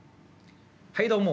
はいどうも。